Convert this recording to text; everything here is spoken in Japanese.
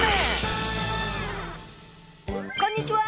こんにちは！